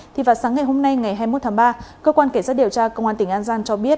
thì vào sáng ngày hôm nay ngày hai mươi một tháng ba cơ quan cảnh sát điều tra công an tỉnh an giang cho biết